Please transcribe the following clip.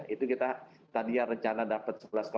itu kita tadi ya rencana dapat